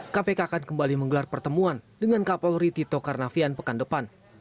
kpk akan kembali menggelar pertemuan dengan kapolri tito karnavian pekan depan